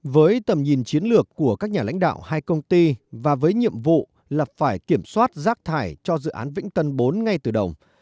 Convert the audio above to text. với tầm nhìn chiến lược của các nhà lãnh đạo hai công ty và với nhiệm vụ là phải kiểm soát rác thải cho dự án vĩnh tân bốn ngay từ đầu